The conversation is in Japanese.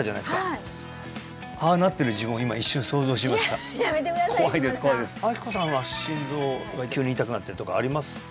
はいああなってる自分を今一瞬想像しましたいややめてください石丸さん怖いです怖いです明子さんは心臓が急に痛くなったりとかありますか？